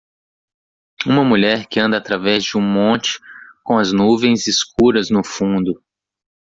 Uma mulher que anda através de um monte com as nuvens escuras no fundo.